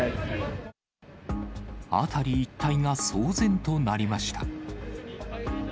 辺り一帯が騒然となりました。